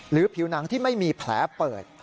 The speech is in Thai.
ผิวหนังที่ไม่มีแผลเปิด